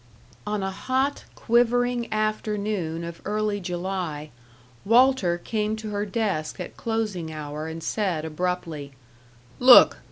On a hot, quivering afternoon of early July, Walter came to her desk at closing hour and said, abruptly: "Look.